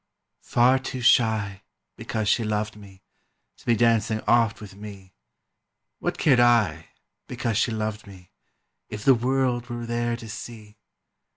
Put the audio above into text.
Far too shy, because she loved me, To be dancing oft with me; What cared I, because she loved me, If the world were there to see?